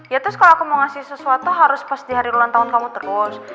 ya terus kalau aku mau ngasih sesuatu harus pas di hari ulang tahun kamu terus